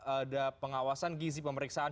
ada pengawasan gizi pemeriksaan